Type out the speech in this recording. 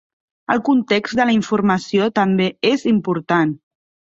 El context de la informació també és important.